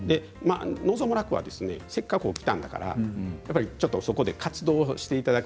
望むらくはせっかく起きたんだからちょっとそこで活動していただく。